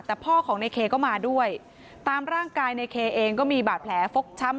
แต่พ่อของในเคก็มาด้วยตามร่างกายในเคเองก็มีบาดแผลฟกช้ำ